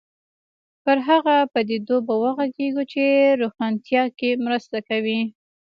پر هغو پدیدو به وغږېږو چې روښانتیا کې مرسته کوي.